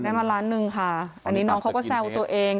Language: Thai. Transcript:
ได้มาล้านหนึ่งค่ะอันนี้น้องเขาก็แซวตัวเอง